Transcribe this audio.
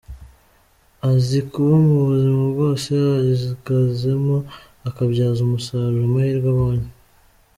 Azi kuba mu buzima bwose agazemo, akabyaza umusaruro amahirwe abonye.